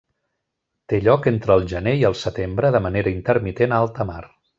Té lloc entre el gener i el setembre de manera intermitent a alta mar.